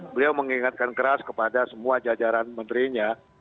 beliau mengingatkan keras kepada semua jajaran menterinya